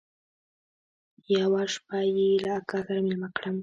يوه شپه يې له اکا سره ميلمه کړم.